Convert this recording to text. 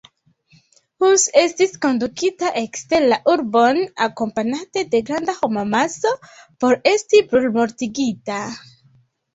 Hus estis kondukita ekster la urbon, akompanate de granda homamaso, por esti brulmortigita.